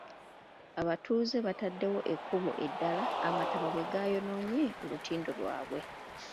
Abatuuze bataddewo ekkubo eddala amataba bwe gayonoonye olutindo lwaabwe.